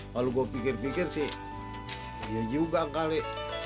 kalau gue pikir pikir sih ya juga kali